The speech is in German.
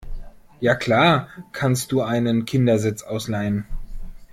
ja klar, kannst du einen Kindersitz ausleihen.